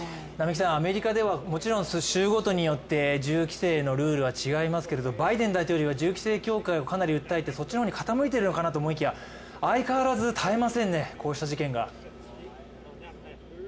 アメリカではもちろん州ごとによって銃規制のルールは違いますけれども、バイデン大統領は銃規制強化を結構訴えていてそっちの方に傾いているのかなと思いきや、相変わらず絶えませんね、こうした事件が。